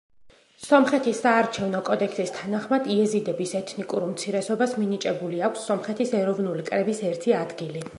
სომხეთის საარჩევნო კოდექსის თანახმად იეზიდების ეთნიკურ უმცირესობას მინიჭებული აქვს სომხეთის ეროვნული კრების ერთი ადგილი.